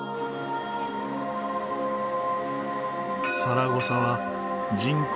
サラゴサは人口